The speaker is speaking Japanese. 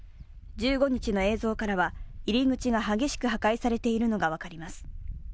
１５日の映像からは、入り口が激しく破壊されているのが分かります。